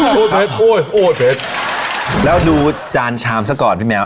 โอ้โฮโอ้โฮโอ้โฮเพชรแล้วดูจานชามซะก่อนพี่แมว